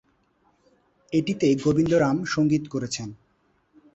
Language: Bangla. এটিতে গোবিন্দ রাম সংগীত করেছেন।